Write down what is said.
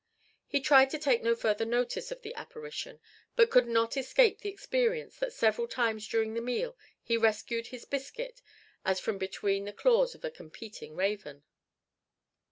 He tried to take no further notice of the apparition, but could not escape the experience that several times during the meal he rescued his biscuit as from between the claws of a competing raven.